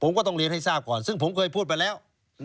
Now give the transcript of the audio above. ผมก็ต้องเรียนให้ทราบก่อนซึ่งผมเคยพูดไปแล้ว